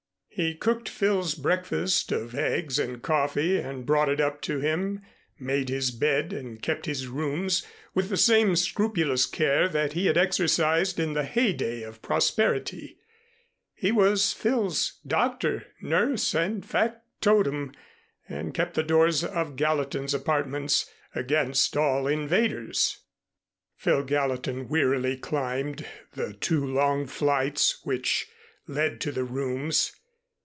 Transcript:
He cooked Phil's breakfast of eggs and coffee and brought it up to him, made his bed and kept his rooms with the same scrupulous care that he had exercised in the heydey of prosperity. He was Phil's doctor, nurse and factotum, and kept the doors of Gallatin's apartments against all invaders. Phil Gallatin wearily climbed the two long flights which led to the rooms.